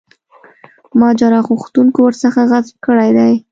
ماجرا غوښتونکو ورڅخه غصب کړی دی.